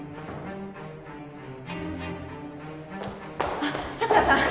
あっ佐倉さん！